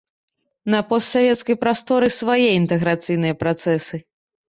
На постсавецкай прасторы свае інтэграцыйныя працэсы.